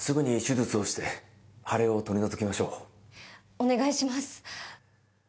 お願いします。